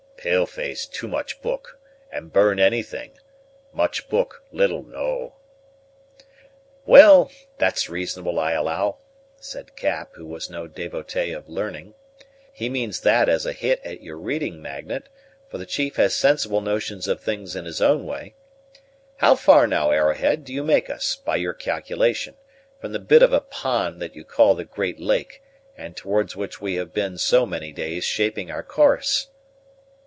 Pale face too much book, and burn anything; much book, little know." "Well, that's reasonable, I allow," said Cap, who was no devotee of learning: "he means that as a hit at your reading, Magnet; for the chief has sensible notions of things in his own way. How far, now, Arrowhead, do you make us, by your calculation, from the bit of a pond that you call the Great Lake, and towards which we have been so many days shaping our course?"